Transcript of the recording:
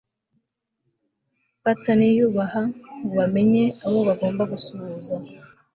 bataniyubaha ngo bamenye abo bagomba gusuhuza